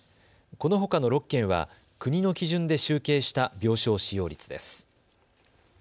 このほかの６県は国の基準で集計した病床使用率です。